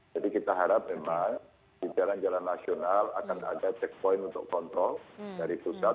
jadi kita harap memang di jalan jalan nasional akan ada checkpoint untuk kontrol dari pusat